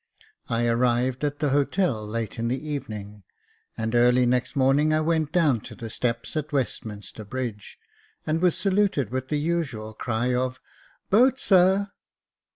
I arrived at the hotel late in the evening, and early next morning I went down to the steps at Westminster Bridge, and was saluted with the usual cry of " Boat, sir